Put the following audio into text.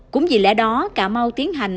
cũng vì lẽ đó cà mau tiến hành